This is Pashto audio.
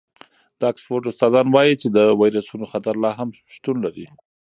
د اکسفورډ استادان وايي چې د وېروسونو خطر لا هم شتون لري.